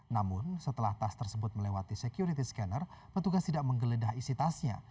namun setelah tas tersebut melewati security scanner petugas tidak menggeledah isi tasnya